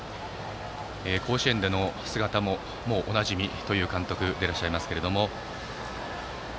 甲子園での姿ももうおなじみという監督でいらっしゃいます。